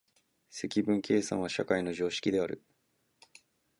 積分計算は社会の常識である。